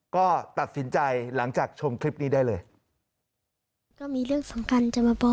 ก็ตัดสินใจหลังจากชมคลิปนี้ได้เลย